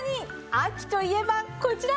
秋といえばこちら！